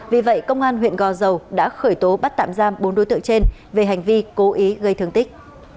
vì vậy công an huyện gò dầu đã khởi tố bắt tạm giam bốn đối tượng trên về hành vi cố ý gây thương tích